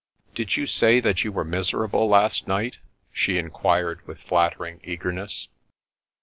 " Did you say you were miserable last night ?" she inquired with flattering eagerness.